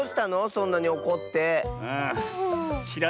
そんなにおこって。